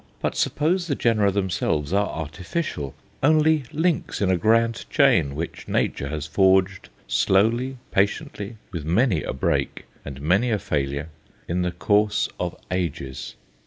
But suppose the genera themselves are artificial, only links in a grand chain which Nature has forged slowly, patiently, with many a break and many a failure, in the course of ages?